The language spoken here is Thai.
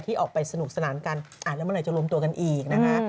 ออกไปสนุกสนานกันแล้วเมื่อไหจะรวมตัวกันอีกนะคะ